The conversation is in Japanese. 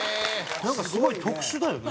なんかすごい特殊だよね？